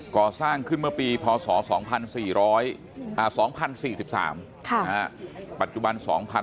ก่อสร้างขึ้นเมื่อปีพศ๒๔๐๔๓ปัจจุบัน๒๕๖๒